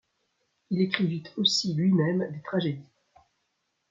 Il écrivit aussi lui-même des tragédies.